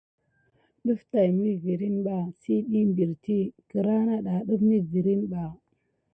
Ɗəf tay peɗmekel ɓa sit diy beriti kelena akoudane ba.